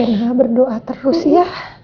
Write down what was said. rena berdoa terus ya